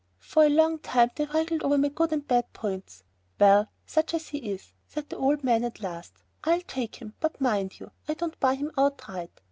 For a long time they wrangled over my good and bad points. "Well, such as he is," said the old man at last, "I'll take him, but mind you, I don't buy him outright.